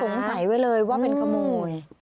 สงสัยไว้เลยว่าเป็นขโมย